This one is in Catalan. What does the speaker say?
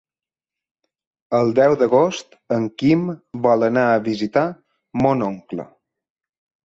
El deu d'agost en Quim vol anar a visitar mon oncle.